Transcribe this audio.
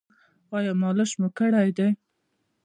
ایا مالش مو کړی دی؟